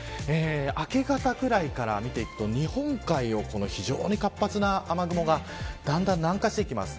明け方ぐらいから見ていくと日本海を活発な雨雲がだんだん南下してきます。